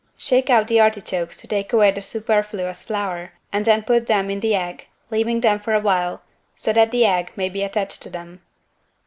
Shake out the artichokes to take away the superfluous flour and then put them in the egg, leaving them for a while so that the egg may be attached to them.